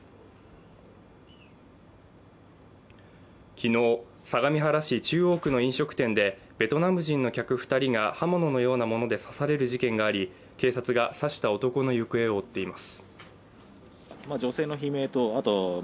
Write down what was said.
昨日、相模原市中央区の飲食店でベトナム人の客２人が刃物のようなもので刺される事件があり警察が刺した男の行方を追っています。